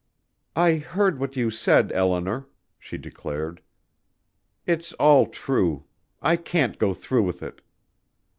"I heard what you said, Eleanor," she declared. "It's all true.... I can't go through with it."